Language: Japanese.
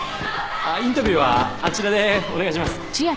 ああインタビューはあちらでお願いします。